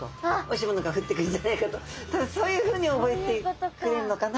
おいしいものが降ってくるんじゃないかと多分そういうふうに覚えているのかなと。